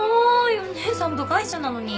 お義姉さん部外者なのに。